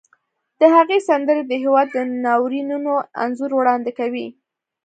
د هغې سندرې د هېواد د ناورینونو انځور وړاندې کوي